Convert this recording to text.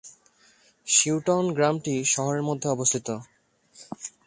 শিওটন গ্রামটি শহরের মধ্যে অবস্থিত।